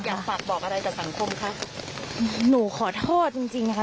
อยากฝากบอกอะไรจากสังคมคะหนูขอโทษจริงจริงนะคะ